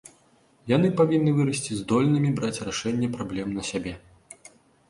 Яны павінны вырасці здольнымі браць рашэнне праблем на сябе.